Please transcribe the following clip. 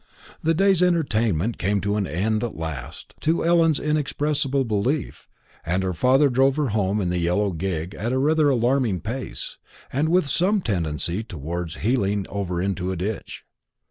The day's entertainment came to an end at last, to Ellen's inexpressible relief; and her father drove her home in the yellow gig at rather an alarming pace, and with some tendency towards heeling over into a ditch.